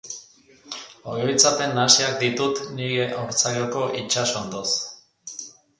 Oroitzapen nahasiak ditut nire haurtzaroko Itsasondoz.